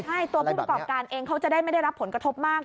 ใช่ตัวผู้ประกอบการเองเขาจะได้ไม่ได้รับผลกระทบมาก